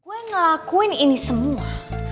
gue ngelakuin ini semua